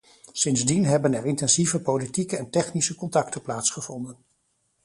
Sindsdien hebben er intensieve politieke en technische contacten plaatsgevonden.